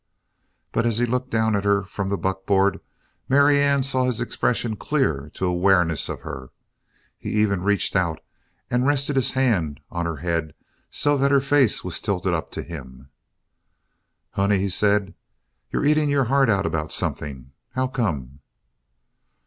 But as he looked down at her from the buckboard, Marianne saw his expression clear to awareness of her. He even reached out and rested his hand on her head so that her face was tilted up to him. "Honey," he said, "you're eating your heart out about something. How come?"